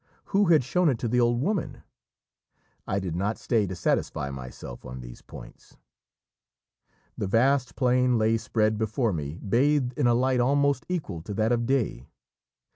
Who had shown it to the old woman? I did not stay to satisfy myself on these points. The vast plain lay spread before me bathed in a light almost equal to that of day.